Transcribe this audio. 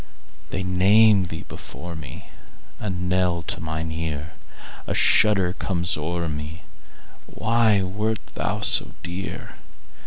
They name thee before me,A knell to mine ear;A shudder comes o'er me—Why wert thou so dear?